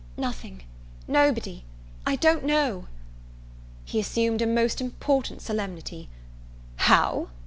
"Nothing nobody I don't know " He assumed a most important solemnity: "How!